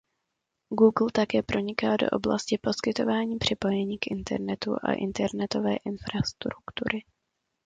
Google také proniká do oblasti poskytování připojení k internetu a internetové infrastruktury.